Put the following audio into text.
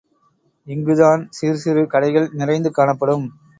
இங்குத் தான் சிறு சிறு கடைகள் நிறைந்து காணப்படும்.